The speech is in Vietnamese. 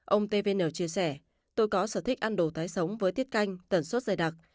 ông tvn chia sẻ tôi có sở thích ăn đồ thái sống với tiết canh tần suất dài đặc